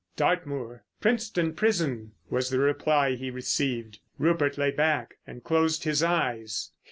"Dartmoor! Princetown Prison," was the reply he received. Rupert lay back and closed his eyes.